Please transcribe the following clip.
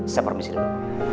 saya permisi dok